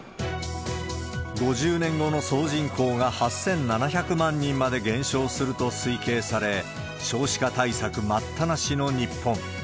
５０年後の総人口が８７００万人まで減少すると推計され、少子化対策待ったなしの日本。